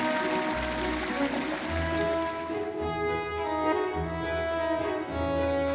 semoga dapat menjuaskan supaya anda semua akan sait